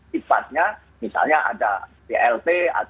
misalnya ada plt